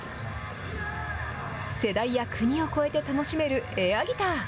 世代や国をこえて楽しめるエアギター。